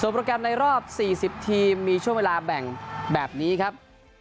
โปรแกรมในรอบ๔๐ทีมมีช่วงเวลาแบ่งแบบนี้ครับ